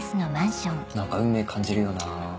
何か運命感じるよな。